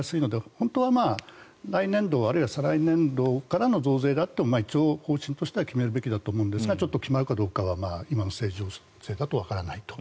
本当は来年度あるいは再来年度からの増税であっても、方針としては決めるべきだと思いますが決まるかどうかは今の政治情勢だとわからないと。